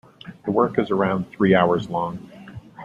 The work is around three hours long.